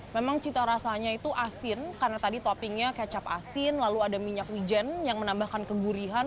memang cita rasanya itu asin karena tadi toppingnya kecap asin lalu ada minyak wijen yang menambahkan kegurihan